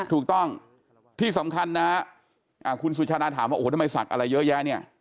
ถูกต้องที่สำคัญนะฮะคุณสุชานาถามว่าโอ้โหทำไมศักดิ์อะไรเยอะแยะเนี่ย